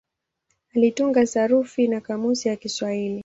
Alitunga sarufi na kamusi ya Kiswahili.